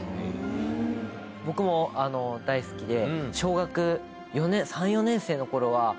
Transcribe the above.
僕も大好きで。